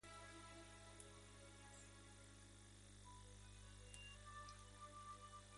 La parte ventral es de color crema, con pequeñas áreas oscuras.